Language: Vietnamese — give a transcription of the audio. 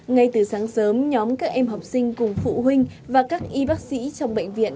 ngay từ sáng sớm nhóm các em học sinh cùng phụ huynh và các y bác sĩ trong bệnh viện